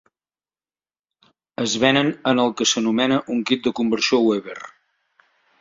Es venen en el que s'anomena un kit de Conversió Weber.